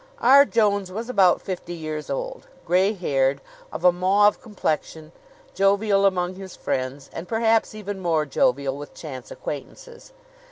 R. Jones was about fifty years old, gray haired, of a mauve complexion, jovial among his friends, and perhaps even more jovial with chance acquaintances.